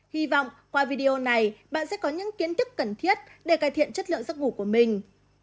hy vọng qua video này bạn sẽ có những kiến thức cần thiết để cải thiện chất lượng giấc ngủ của mình